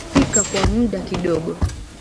kupika kwa muda kidogo